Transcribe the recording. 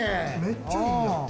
めっちゃいいやん。